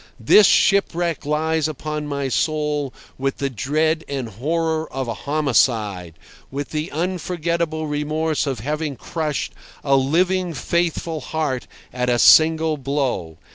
This shipwreck lies upon my soul with the dread and horror of a homicide, with the unforgettable remorse of having crushed a living, faithful heart at a single blow.